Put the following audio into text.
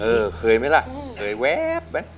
เออเคยไหมล่ะเคยแว๊บ